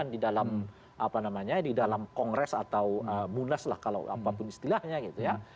di dalam apa namanya di dalam kongres atau munas lah kalau apapun istilahnya gitu ya